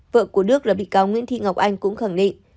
vợ của đức là bị cáo nguyễn thị ngọc anh cũng khẳng định